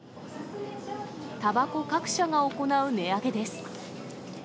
たばこ各社が行う値上げです。